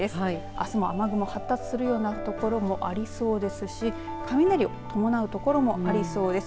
あすも雨雲発達するようなところもありそうですし雷を伴うところもありそうです。